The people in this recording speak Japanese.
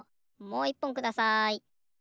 もういっぽんください。